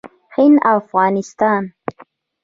هند او افغانستان